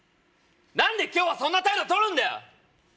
何で今日はそんな態度とるんだよ！